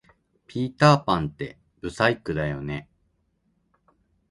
ピーターパンって不細工だよね